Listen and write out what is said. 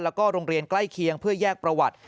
แล้วก็โรงเรียนใกล้เคียงเพื่อแยกประวัติ